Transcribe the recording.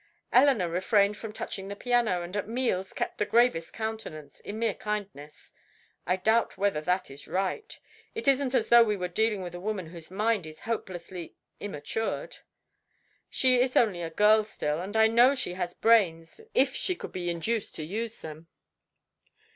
Eleanor refrained from touching the piano, and at meals kept the gravest countenance, in mere kindness. I doubt whether that is right. It isn't as though we were dealing with a woman whose mind is hopelessly immatured; she is only a girl still, and I know she has brains if she could be induced to use them."